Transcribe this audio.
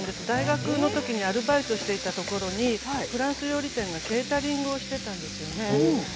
大学のときアルバイトしていたところフランス料理店がケータリングをしていたんですね。